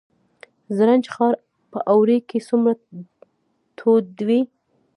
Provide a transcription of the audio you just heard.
زرنج ښار په اوړي کې څومره تود وي؟